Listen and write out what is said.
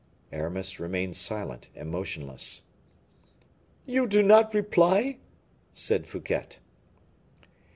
Aramis remained silent and motionless. "You do not reply?" said Fouquet.